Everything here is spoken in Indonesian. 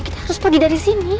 kita harus podi dari sini